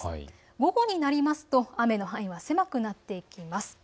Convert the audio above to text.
午後になりますと雨の範囲は狭くなっていきます。